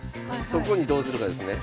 そこにどうするかですね？